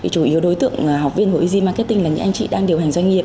chủ yếu đối tượng học viên của easy marketing là những anh chị đang điều hành doanh nghiệp